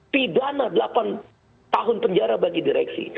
pidana delapan tahun penjara bagi direksi